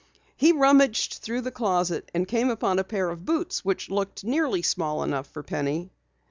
He rummaged through the closet and came upon a pair of boots which looked nearly small enough for Penny.